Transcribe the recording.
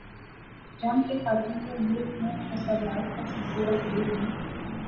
جنگ کے خاتمہ پر ملک میں فسادات کا سلسلہ شروع ہوا۔